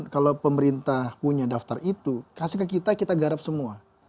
kalau pemerintah punya daftar itu kasih ke kita kita garap semua